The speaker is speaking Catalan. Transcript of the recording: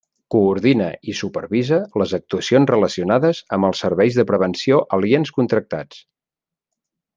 Coordina i supervisa les actuacions relacionades amb els serveis de prevenció aliens contractats.